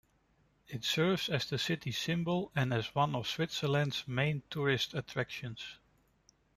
It serves as the city's symbol and as one of Switzerland's main tourist attractions.